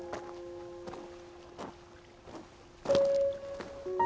うん。